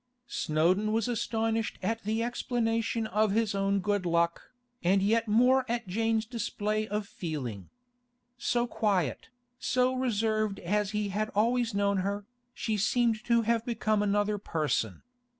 Snowdon was astonished at the explanation of his own good luck, and yet more at Jane's display of feeling. So quiet, so reserved as he had always known her, she seemed to have become another person.